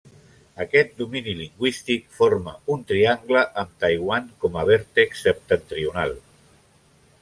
Aquest domini lingüístic forma un triangle amb Taiwan com a vèrtex septentrional.